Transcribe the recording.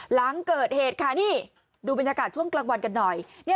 หลังเกิดเหตุค่ะนี่ดูบรรยากาศช่วงกลางวันกันหน่อย